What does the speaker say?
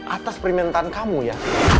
atas permintaan kamu ya